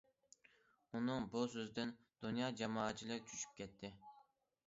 ئۇنىڭ بۇ سۆزىدىن دۇنيا جامائەتچىلىكى چۆچۈپ كەتتى.